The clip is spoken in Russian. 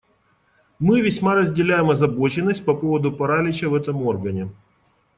Мы весьма разделяем озабоченность по поводу паралича в этом органе.